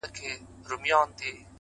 زما سره اوس لا هم د هغي بېوفا ياري ده ـ